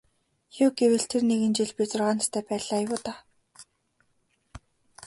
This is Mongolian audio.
Юу гэвэл тэр нэгэн жил би зургаан настай байлаа юу даа.